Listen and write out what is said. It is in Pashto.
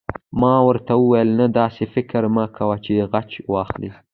ما ورته وویل: نه، داسې فکر مه کوه چې غچ واخلې.